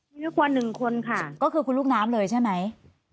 มีลูกกว่าหนึ่งคนค่ะก็คือคุณลูกน้ำเลยใช่ไหม